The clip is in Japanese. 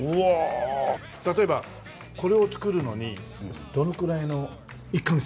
例えばこれを作るのにどのぐらいの１カ月？